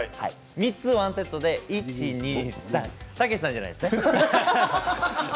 ３つ１セットでたけしさんじゃないですね。